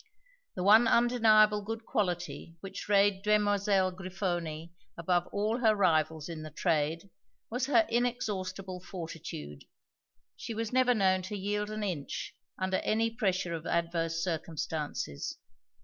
The one undeniable good quality which raised Demoiselle Grifoni above all her rivals in the trade was her inexhaustible fortitude. She was never known to yield an inch under any pressure of adverse circumstances.